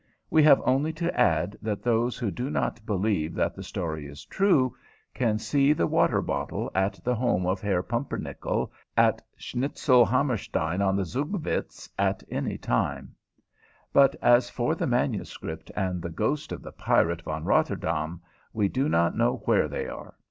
We have only to add that those who do not believe that the story is true can see the water bottle at the home of Herr Pumpernickel at Schnitzelhammerstein on the Zugvitz at any time; but as for the manuscript and the ghost of the pirate Von Rotterdaam, we do not know where they are.